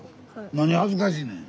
何恥ずかしいねん。